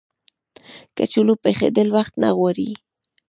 کچالو پخېدل وخت نه غواړي